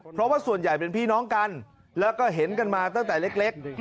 เพราะว่าส่วนใหญ่เป็นพี่น้องกันแล้วก็เห็นกันมาตั้งแต่เล็ก